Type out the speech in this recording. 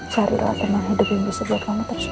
carilah teman hidup yang bisa buat kamu terus hidup